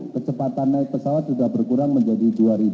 kecepatan naik pesawat sudah berkurang menjadi dua ribu